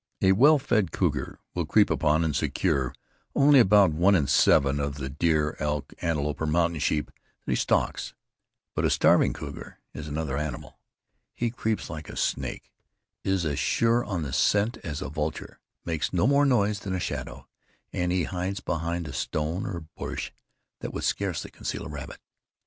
A well fed cougar will creep upon and secure only about one in seven of the deer, elk, antelope or mountain sheep that he stalks. But a starving cougar is another animal. He creeps like a snake, is as sure on the scent as a vulture, makes no more noise than a shadow, and he hides behind a stone or bush that would scarcely conceal a rabbit.